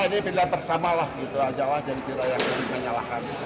ini pilihan yang menyalahkan